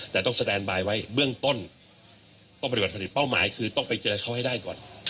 แต่ต้องสแตนบายไว้เบื้องต้นต้องปฏิบัติผลิตเป้าหมายคือต้องไปเจอเขาให้ได้ก่อน